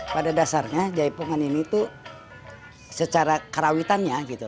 pada dasarnya jaipungan ini itu secara karawitannya